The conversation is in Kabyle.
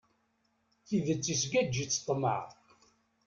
Tidet isgaǧ-itt ṭṭmaɛ.